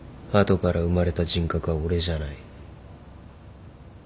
後から生まれた人格は俺じゃない。